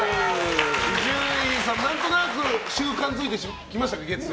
伊集院さん、何となく習慣づいてきましたか？